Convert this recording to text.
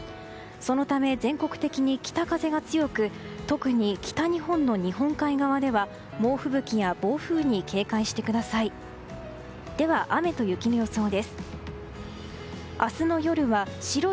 そのため、全国的に北風が強く特に北日本の日本海側では猛吹雪や暴風に警戒してください。